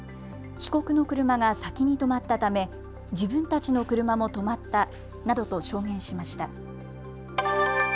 被告の車が先に止まったため自分たちの車も止まったなどと証言しました。